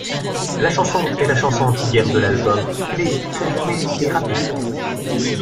La chanson est la chanson anti-guerre de l'album, elle est très rythmée et rapide.